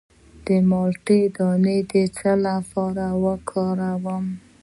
د مالټې دانه د څه لپاره وکاروم؟